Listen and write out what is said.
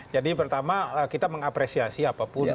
pertama kita mengapresiasi apapun